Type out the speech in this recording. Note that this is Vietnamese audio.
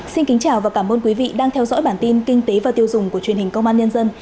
xin kính chào và cảm ơn quý vị đang theo dõi bản tin kinh tế và tiêu dùng của truyền hình công an nhân dân